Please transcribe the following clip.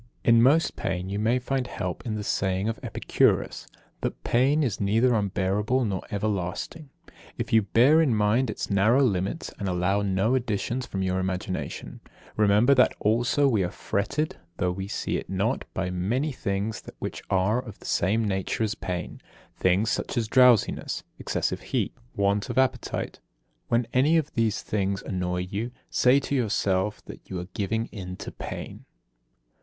In most pain you may find help in the saying of Epicurus, that "pain is neither unbearable nor everlasting, if you bear in mind its narrow limits, and allow no additions from your imagination." Remember also that we are fretted, though we see it not, by many things which are of the same nature as pain, things such as drowsiness, excessive heat, want of appetite. When any of these things annoy you, say to yourself that you are giving in to pain.